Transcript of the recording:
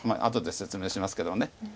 後で説明しますけども。